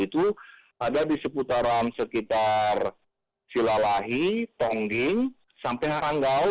itu ada di seputaran sekitar silalahi tongding sampai haranggaul